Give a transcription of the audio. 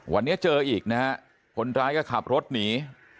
วันนี้เจออีกนะฮะคนร้ายก็ขับรถหนี